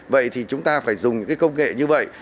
vậy thì chúng ta phải dùng những cái công nghệ như vậy